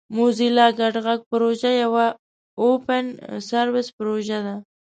موزیلا ګډ غږ پروژه یوه اوپن سورس پروژه ده.